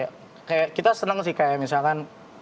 ya kayak kita seneng sih kayak misalkan